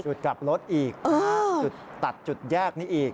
จุดกลับรถอีกจุดตัดจุดแยกนี้อีก